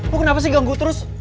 bu kenapa sih ganggu terus